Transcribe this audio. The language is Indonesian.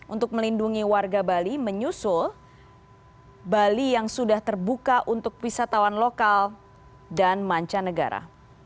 untuk melindungi warga bali menyusul bali yang sudah terbuka untuk wisatawan lokal dan mancanegara